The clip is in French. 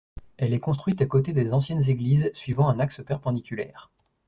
Elle est construite à côté des anciennes églises suivant un axe perpendiculaire.